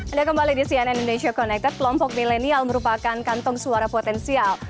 anda kembali di cnn indonesia connected kelompok milenial merupakan kantong suara potensial